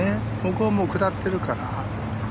ここは下っているから。